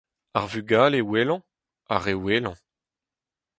ar vugale wellañ, ar re wellañ